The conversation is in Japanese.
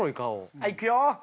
はいいくよ。